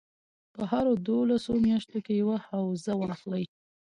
په هرو دولسو میاشتو کې یوه حوزه واخلي.